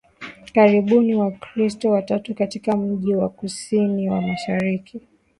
karibuni Wakristo watatu katika mji wa kusini wa mashariki